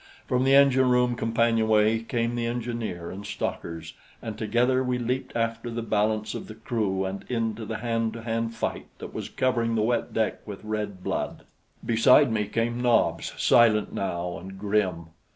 From the engine room companionway came the engineer and stockers, and together we leaped after the balance of the crew and into the hand to hand fight that was covering the wet deck with red blood. Beside me came Nobs, silent now, and grim.